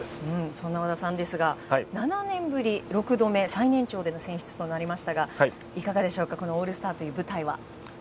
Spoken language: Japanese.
そんな和田さんですが７年ぶり６度目、最年長での選出となりましたがいかがですかオールスターという舞台は。